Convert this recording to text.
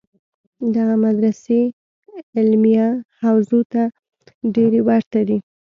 دغه مدرسې علمیه حوزو ته ډېرې ورته دي.